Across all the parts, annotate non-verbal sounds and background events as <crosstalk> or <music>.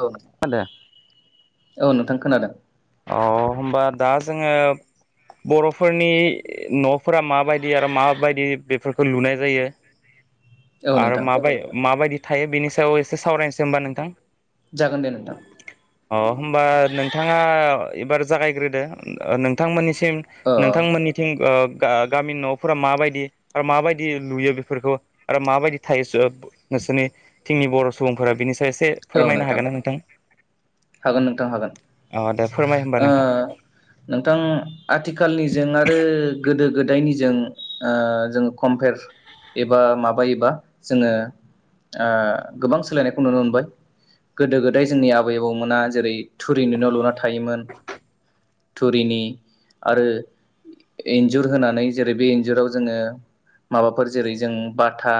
औ मा होनदों? औ नोंथां खोनादों? अ होनबा दा जोङो बरफोरनि नफोरा माबायदि आरो माबायदि बेफोरखौ लुनाय जायो? औ आरो नोंथां माबाय माबायदि थायो बिनि सायाव एसे सावरायनोसै होम्बा नोंथां? जागोन दे नोंथां अ होम्बा नों बिथाङा एबार जागायग्रोदो नोंथांमोननिसि थिं औ नोंथांमोननिथिं ओ आ गामिनि न'फोरा माबायदि आरो माबायदि लुयो बेफोरखौ आरो माबायदि थायो नोंसोरनि जोंनि बर' सुबुंफोरा बिनिस एसे फोरमायनो हागोन ना नोंथां? हागोन नोंथां हागोन, अ दे फोरमाय होमबा ओ नोंथां नोंथां आथिखालनि जेंनादो गोदो गोदायनि जों ओ जों कमप्यार एबा माबायोबा जोङो ओ गोबां सोलायनायखौ नुनो मोनबाय गोदो गोदाय जोंनि आबै आबौ आबौमोना जेरै थुरिनि न' लुना थायोमोन थुरिनि आरो इन्जुर होनानै जेरै बे इन्जुराव जोङो माबाफोर जेरै जों बाथा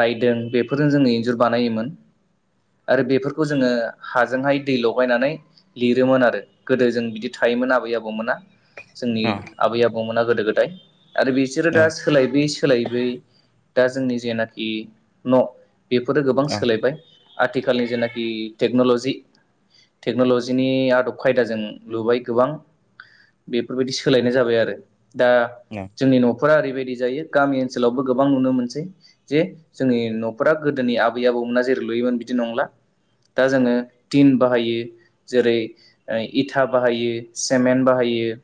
रायदों बेफोरजों जोङो इन्जुर बानायोमोन आरो बेफोरखौ जोङो हाजोंहाय दै लगायनानै लिरोमोन आरो गोदो जों बिदि थायोमोन आबै आबौमोना। जोंनि अ आबै आबौ। दंमोन ना गोदो गोदाय। आरो बिसोरो अ दा सोलायबिस सोलायबाय दा जोंनि जेनाखि न' बेफोरो गोबां अ सोलायबाय। आथिखालनि जेनाखि टेक्न'ल'जि। टेक्न'लजिनि आदब खायदाजों लुबाय गोबां बेफोरबायदि सोलायनाय जाबाय आरो दा जोंनि न'फोरा ओरैबायदि जायो गामि ओनसोलावबो गोबां नुनो मोनसै जे जोंनि न'फोरा गोदोनि आबै आबौमोना जेरै लुयोमोन बिदि नंला दा जोङो टिन बाहायो जेरै इथा बाहायो सेमेन्ट बाहायो।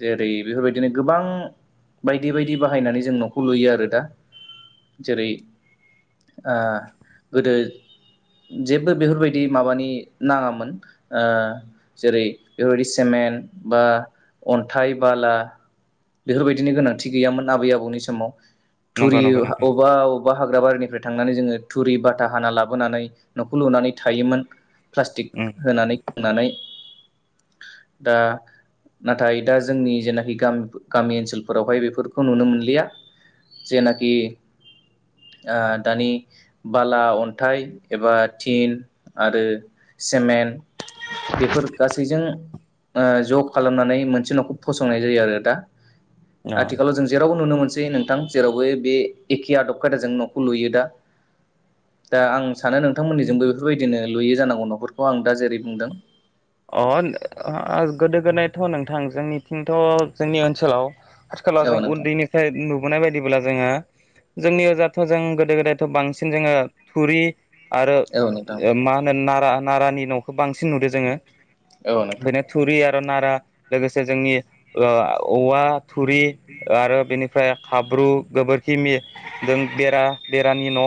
जेरै बेफोरबायदिनो गोबां बायदि बायदि बाहायनानै जों न'खौ लुयो आरो दा जेरै आ गोदो जेबो बेफोरबायदि माबानि नाङामोन ओ जेरै बेफोरबायदि सेमेन्ट बा अन्थाइ बाला बेफोरबायदिनि गोनांथि गैयामोन आबै आबौनि समाव नंगौ थुरि नंगौ नोंथां अबेबा अबेबा हाग्रा बारिनिफ्राय थांनानै जोङो थुरि बाथा हाना लाबोनानै न'खौ लुनानै थायोमोन। प्लास्टिक उम होनानै। होनानै दा नाथाय दा जोंनि जेनाखि गा गामि ओनसोलफोरावहाय बेफोरखौ नुनो मोनलिया जेनाखि ओ दानि बाला अन्थाइ एबा थिन आरो सेमेन्ट बेफोर गासैजों ओ ज' खालामनानै मोनसे न'खौ फसंनाय जायो आरो दा। अ आथिखालाव जों जेरावबो नुनो मोनसै एखे नोंथां जेरावबो बे एखे आदब खायदाजों न'खौ लुयो दा दा आं सानो नोंथांमोननिजोंबो बेफोरबायदिनो लुयो जानांगौ न'फोरखौ आं दा जेरै बुंदों। अ गोदो गोदायथ' नोंथां जोंनिथिंथ' जोंनि ओनसोलाव खाथि खाला औ जों नोंथां उन्दैनिफ्राय नुब <unintelligible> बायदिब्ला जोङो जोंनि ओजाथ' जों गोदो गोदायथ' बांसिन जोङो थुरि आरो औ नोंथां ओ मा होनो नारा नारानि न'खो बांसिन नुदो जोङो। औ नोंथां बेखायनो थुरि आ नारा लोगोसे जोंनि औवा थुरि आरो बेनि ओमफ्राय हाब्रु गोबोरखिनि बेरा बेरानि न'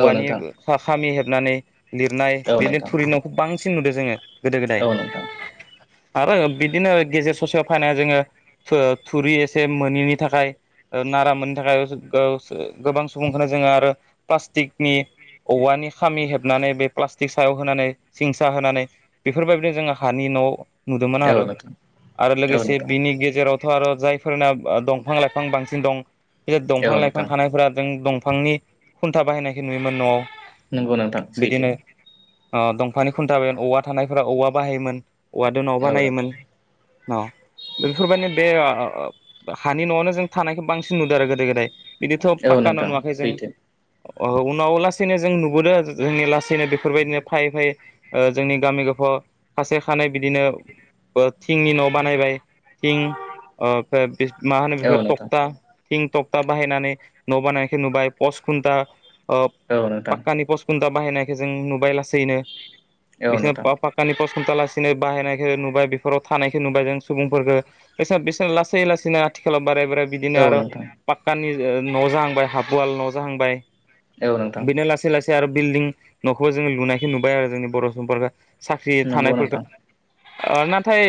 औ नोंथां खामि हेब नानै लिरनाय औ बेनो नोंथां थुरिन'खौ बांसिन नुदों । जोंङो औ नोंथां । आरो बिदिनो गेजेर ससेयाव फैनानै जोंङो फो थुरि एसे मोैनि थाखाय नारा मोनैनि थाखाय गोबां सुबुंखौनो जोंङो आरो प्लास्टिकनि औवानि खामि हेबनानै बे प्लास्टिक सायाव होनानै सिंसा होनानै बेफोरबायदिनो जों हानि न' नुदोंमोन औ आरो नोंथां आरो औ लोगोसे नोंथां बिनि गेजेरावथ' आरो जायफोरना दंफां लाइफां बांसिन दं बे औ दंफां नोंथां लाइफां थानायफोरा जों दं बिफांनि खुन्था बाहायनायखौ नुयोमोन न'आव नंगौ नोंथां सैथो ओ दंफां खुन्थाबा औवा थानायफोरा औवा बाहायोमोन औवा दो न औ नोंथां बानायोमोन। औ बेफोरबायदिनो बे हानि न'आवनो जों थानायखौ बांसिन नुदों आरो गोदो गोदाय बिदिथ' औ पाक्का न नोंथां नुवाखै जों सैथो उनाव लासैनो जों नुबोदों जोंनि लासैनो बेफोरबायदिनो फायै-फायै जोंनि गामि गफाव खासे खानै बिदिनो थिंनि न' बानायबाय थिं ओमफ्राय मा होनो औ बेफोर नोंथां थकता थिं थकथा बाहायनानै न' बानायखौ नुबाय पस खुन्था ओ औ नोंथां पाक्कानि पस खुनथा बाहायनायखो जों नुबाय लासैनो औ बिसा नोंथां पाककानि पस खुनथा लास बाहायनायखो नुबाय बेफोराव थानायखौ नुबाय जों सुबुंफोरखौ बि लासै-लासैनो आथिखालाव बाराय-बाराय बिदिनो औ आरो नोंथां पाक्कानि न' जाहांबाय हाबवाल न' जाहांबाय औ नोंथां बिदिनो लासै लासै आरो बिल्डिं न'खौबो जोंङो लुनायखौ नुबाय आरो जोंनि बर' सुबुंफोरखो साख्रि नंगौ थानायफोरखो नोंथां ओ नाथाय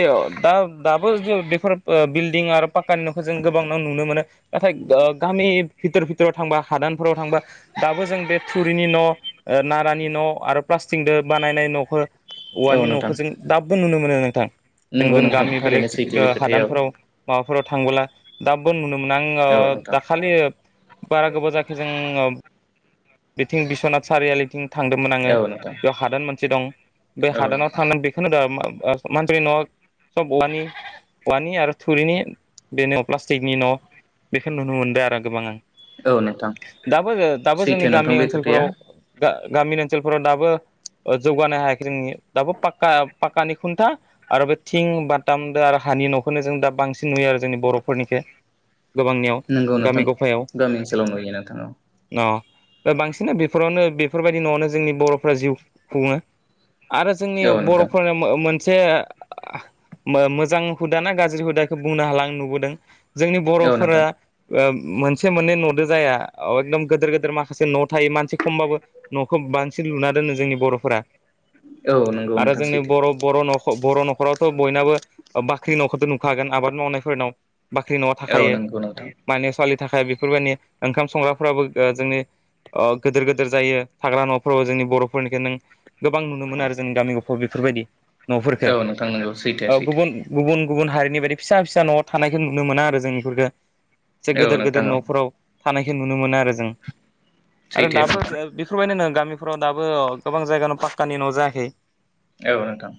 दा दाबो जे बेफोर ओ बिल्डिं आरो पाक्कानि न'खौ जों गोबांनो नुनो मोनो नाथाय ओ गामि बिथोर भिथोराव थांबा हादानफोराव थांबा दाबो जों बे थुरिनि न' ओ नारानि न' आरो प्लास्टिकदो बानायनाय न' खरा औ औवानि नोंथां न'खौ जों दा बो नुनो मोनो नोंथां। जों नंगौ जों नोंथां गामि बेलेग थारैनो सैथो ओ बे खोथाया हादानफोराव मा फोराव थांबोला दाबबो नुनो मो नो औ नोंथां दाखालि बारा गोबाव जायाखै जोंङो बिथिं बिस्वनाथ सारियालिथिं थांदोंमोन आंङो औ नोंथां बेयाव हादान मोनसे दं बे औ हादानाव नोंथां थांनानै बेखौनो होदा मा ओ मानसिनि न' सब औवानि औवानि आरो थुरिनि बेनो प्लास्टिकनि न' बेखौ नुनो मोनदों आरो गोबां आं औ नोंथां दाबो ओ दाबो सैथो जोंनि नोंथां गामि बे खोथाया ओनसोलफोराव गा गामिनि ओनसोलफोराव दाबो ओ जौगानो हायाखै जोंनि दाबो पाक्का पाक्कानि खुन्था आरो बे थिं बाथामदो आरो हानि न'खौनो जों दा बांसिन नुयो जोंनि बर'फोरनिखै नोंगौ नोंथां गामि ओनसोलाव नुयो नोंथां औ ओ बांसिन बेफोरावनो बेफोरबायदि न'आवनो जोंनि बर'फ्रा जिउ खुंङो आरो जोंनि औ औ नोंथां बर'फोरा मो मोन मोनसे मो मोजां हुदा ना गाज्रि हुदा इखौ बुंनो हाला आं नुबोदों जोंनि औ नोंथां बर'फोरा ओ मोनसे मोननै न'दो जाया एकदम गिदोर गिदोर माख माखासे न' थायो मानसि खमबाबो न'खौ बांसिन लुना दोनो जोंनि बर'फोरा औ नंगौ आरो नोंथां जोंनि सैथो बर' बर' न'ख' फ बर' न'खरावथ' बयनाबो बाख्रिनि न'खरथ' नुखागोन आबाद मावनायफोरनाव बाख्रि न'आ औ थाखायो नंगौ नोंथां माने सवालि नि थाखाय बेफोरबायदि ओंखाम संग्राफ्राबो ओ जोंनि अ गिदोर गिदिर जायो थाग्रा न'फोराव जोंनि बर'फोरनिख नों गोबां नुनो मोनो आरो जोंनि गामि गफाव बेफोरबायदि न'फोरखौ औ नोंथां नंगौ सैथो ओ सैथो गुबुन गुबुन गुबुन हारिनि बायदि फिसा फिसा न'आव थानायखौ नुनो मोना आरो जोंनिफोरखौ से औ गेदेर नोंथां गेदेर औ न'फोराव थानायखौ नुनो मोना आरो जों आरो सैथो दाबो नोंथां बेबेफोरबायदिनो नों गामिफोराव दाबो अ गोबां जायगानि पाक्कानि न' जायाखै औ नोंथां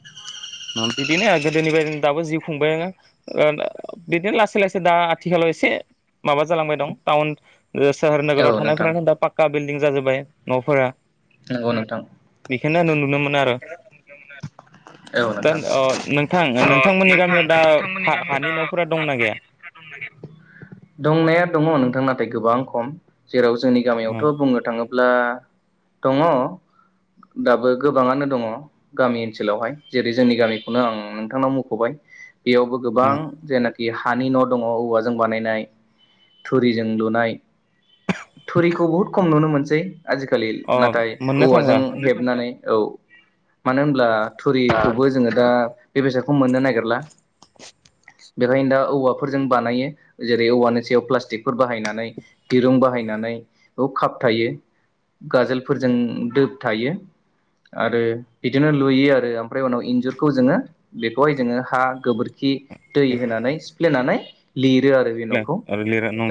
बिदिनो गोदोनि बायदि दाबो जिउ खुंबायनो बिदिनो लासै लासै दा आथिखालाव एसे माबा जालांबाय दं टाउन सहोर नोगोराव औ नोंथां थानायफ्रानो दा फाख खा बिल्दिं जाजोब्बाय न फोरा। नंगौ नोंथां औ मोनो आरो दा नोंथां नोंथां नोंथां नोंथांमोननि गामियाव दा नोंथांमोननि गामियाव हानि दा न'फोरा दंना गैया हा-हानि न फोरा दंना गैया दंनाया दङ नोंथां नाथाय गोबां खम जेराव जोंनि गामियावथ बुंनो थाङोब्ला दङ दाबो गोबाङानो दङ गामि ओनसोलावहाय जेरै जोंनि गामिखौनो आं नोंथांनाव मुखबाय बेयावबो गोबां जेनाखि हानि न दङ औवाजों बानायनाय थुरिजों लुनाय थुरिखौ बुहुद खम नुनो मोनसै आजिखालि अ नाथाय मोननो औवाजों थांला हेबनानै औ। मानो होनब्ला थुरिखौबो जोङो दा बे बेसादखौ मोननो नागिरला बेखायनो दा औवाफोरजों बानायो जेरै औवानि सायाव प्लास्टिकफोर बाहायनानै दिरुं बाहायनानै काप थायो गाजोल फोरजों दोब थायो आरो बिदिनो लुयो आरो ओमफ्राय उनाव इन्जुरखौ जोङो बेखौहाय जोङो हा गोबोरख खि दै होनानै सिफ्लेनानै लिर रो आरो बे नखौ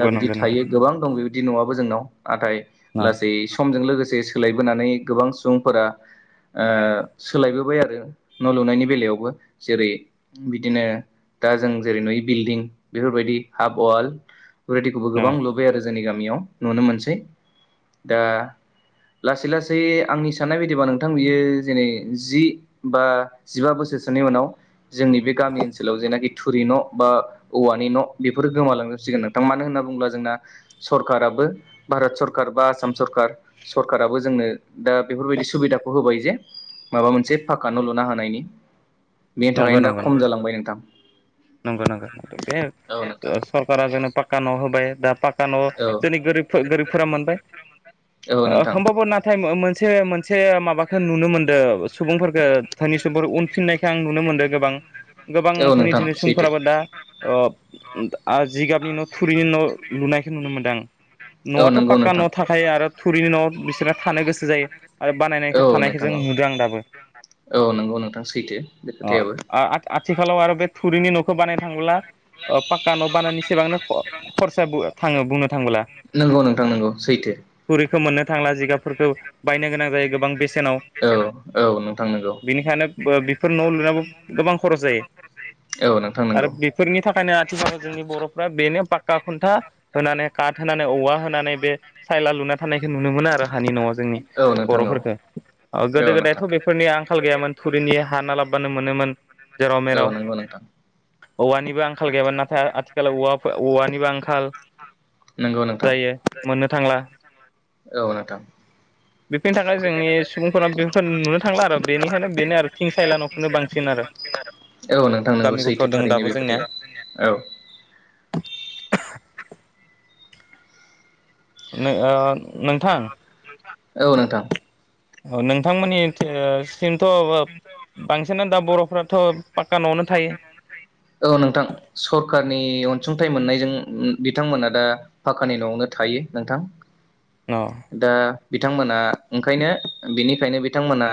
दा बिदि नंगौ नोंथां थायो गोबां दं जों बिदि नआबो जोंनाव नाथाय लासै समजों लोगोसे <unintelligible> सोलायबोनानै गोबां सुबुंफोरा ओह सोलायबोब बाय आरो न लुनायनि बेलायावबो जेरै बिदिनो दा जों जेरै नुय बिल्डिं बेफोरबायदि हाफ वाल बादिखौबो गोबां लुबाय आरो जोंनि गाम मियाव नुनो मोनसै दा लासै लासै आंनि साननाय बायदिबा नोंथां बियो जेनै जि बा जिबा बोसोरसोनि उनाव जोंनि बे गामि ओनसोलाव जेनाखि थुरि न बा औवानि न बेफोर गोमालांजोबसिगोन नोंथां मानो होनना बुङोब्ला जोंना सरखाराबो भारत सरखार बा आसाम सरखार सरकाराबो जोंनो दा बेफोरबायदि सुबिदाखौ होबाय जे माबा मोनसे पाक्का न लुनो हानायनि नंगौ नंगौ नंगौ नंगौ बे औ नोंथां सरकारा जोंनो पाक्का न होबाय दा पाक्का न औ जोंनि गोरिब-गोरिबफोरा मोनबाय औ ओ नोंथां होमबाबो नाथाय मो-मोनसे सो मोन। एसे माबाखौ नुनो मोनदों। सुबुंफोरखौ दानि सुबोर उनफिननाय आं नुनो मोनदों गोबां गोबां औ धोनि नोंथां धोनि सुबुंफोराबो दा सैथो ओ दा आ जिगाबनि न' थुरिनि न' लुनायखौ नुनो मोनदों आं। औ न'आथ' नंगौ पाक्का नोंथां। न' थाखायो आरो थुरिनि न'आव बिसोरा थानो गोसो जायो आरो औ बानायनायखौ थानायखौ नोंथां जों औ नुदों आं दाबो औ नंगौ नोंथां सै अ आ-आथि-आथिखालाव आरो बे थुरिनि न'खौ बानायनो थाङोब्ला ओ पाक्का न' बानायनि सिबांनो ख-खरसाबु थाङो बुंनो थांब्ला नंगौ नोंथां नंगौ सैथो। थुरिखौ मोननो थांला जिगाबफोरखौ बायनो गोनां जायो गोबां बेसे औ औ नोंथां नंगौ। बेनिखायनो बेफोर न' लुनावबो गोबां खरस जायो औ नोंथां आरो नंगौ। बेफोरनि थाखायनो आथिखालाव जोंनि बर'फ्रा बेनो पाक्का खुन्था होनानै काट होनानै औवा होनानै बे सायला लुना थानायखौ नुनो मोनो आरो हानि न'आव जोंनि औ नोंथां औ बर'फोरखो। ओ गोदो औ गोदायथ' नोंथां। बेफोरनि आंखाल गैयामोन थुरिनि लाबबानो मोनोमोन जेराव मेराव औ नोंगौ नोंथां औवानिबो आंखाल गैयामोन नाथाय आथिखालाव औवा औवानिबो आंखाल नंगौ नोंथां जायो मोननो थांला औ नोंथां। बेफोरनि थाखाय जोंनि सुबुंफोरा बेफोरखौ नुनो थांला आरो बेनिखायनो बेनो आरो। थिं सायला न'खौनो बांसिन आरो औ नोंथां नोंगौ गामि गफायाव सैथो दङ थारैनो दाबो बे जोंनिया खोथाया औ नो ओ नोंथां औ नोंथां औ नोंथांमोननि थि ओ थिं थ' बांसिनानो दा बर'फ्राथ' पाक्का न'आवनो थायो। सुंथाइ मोननायजों बिथांमोना दा पाकानि न'आवनो थायो नोंथां। औ दा बिथांमोना ओंखायनो बिनिखायनो बिथांमोना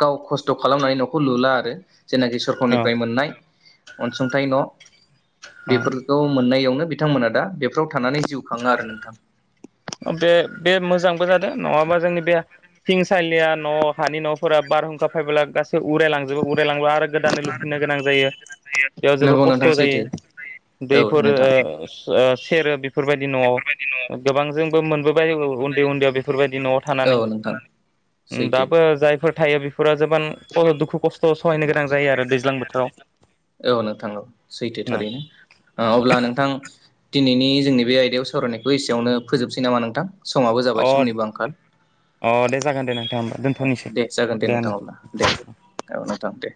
गाव खस्थ' खालामनानै न'खौ लुला आरो जेनाखि औ सरखारनिफ्राय मोननाय अनसुंथाइ न'। बेफोरखौ मोननायाव बिथांमोना दा बेफ्राव थानानै जिउ खाङो आरो नोंथां। ओ बे बे मोजांबो जादों नङाबा जोंनि बे थिं सालिया न' हानि न'फोरा बारहुंखा फायबोला गास बो उरायलांजोबो उरायलांबा आरो गोदानै लुफिननो गोनां जायो बेयाव जोबोर नंगौ खस्थ' नोंथां जायो सैथो औ दैफोर नोंथां ओ ओ सेरो बेफोरबायदि न'आव गोबां जों <unintelligible> बौबाय औ उन्दै उन्दैआव बेफोर बादि न'आव औ थानानै नोंथां ओम सैथो दाबो जायफोर थायो फुरा <unintelligible> दुखु खस्थ'स औ नोंथां औ सैथो थारैनो अब्ला नोंथां दिनैनि जोंनि बे आयदायाव सावरायनायखौ एसेयावनो फोजोबसै नामा नोंथां? समाबो अ जाबाय समनिबो अ दे जागोन दे नों होमबा ओ दोनथ'नोसै दे जागोन दे नोंथां अब्ला दे औ नोंथां दे